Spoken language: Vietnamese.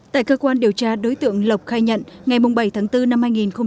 tại cơ quan điều tra đối tượng lộc khai nhận ngày bảy tháng bốn năm hai nghìn hai mươi